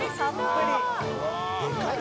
でかい。